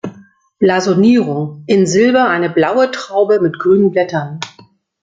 Blasonierung: In Silber eine blaue Traube mit grünen Blättern.